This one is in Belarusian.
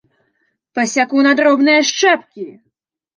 Пасяку на дробныя шчэпкі!